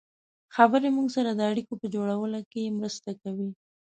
خبرې موږ سره د اړیکو په جوړولو کې مرسته کوي.